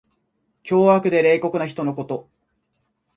凶悪で冷酷な人のこと。